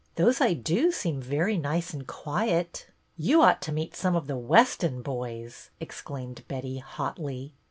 " Those I do seem very nice and quiet." "You ought to meet some of the Weston boys," exclaimed Betty, hotly.